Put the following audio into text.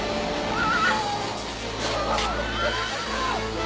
うわ！